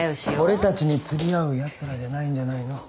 俺たちに釣り合うやつらじゃないんじゃないの？